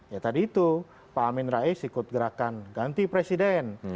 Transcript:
ya tadi itu pak amin rais ikut gerakan ganti presiden